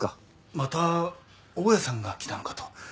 また大家さんが来たのかと。